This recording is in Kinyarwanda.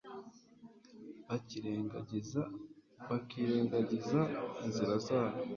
bakirengagiza inzira zayo